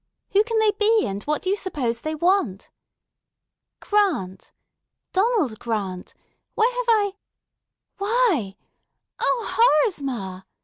Who can they be, and what do you suppose they want? Grant. Donald Grant. Where have I, why—! O, horrors, ma!